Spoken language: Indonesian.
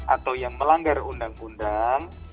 atau yang melanggar undang undang